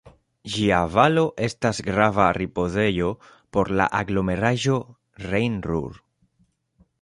Ĝia valo estas grava ripozejo por la aglomeraĵo Rejn-Ruhr.